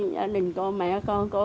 nhà đình con mẹ con cô